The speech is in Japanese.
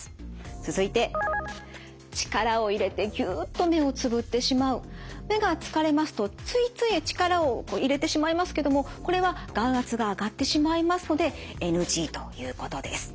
続いて力を入れて目が疲れますとついつい力を入れてしまいますけどもこれは眼圧が上がってしまいますのでＮＧということです。